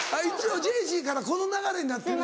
ジェシーからこの流れになってる。